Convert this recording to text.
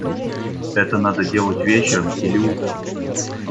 Это надо делать вечером или утром!